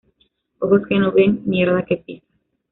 Ojos que no ven, mierda que pisas